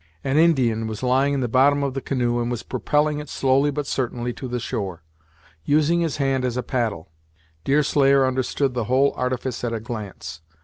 An Indian was lying in the bottom of the canoe, and was propelling it slowly but certainly to the shore, using his hand as a paddle. Deerslayer understood the whole artifice at a glance.